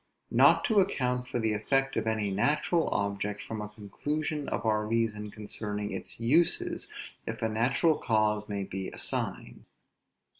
Not to account for the effect of any natural object from a conclusion of our reason concerning its uses, if a natural cause may be assigned.